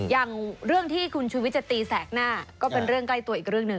อย่างเรื่องที่คุณชุวิตจะตีแสกหน้าก็เป็นเรื่องใกล้ตัวอีกเรื่องหนึ่ง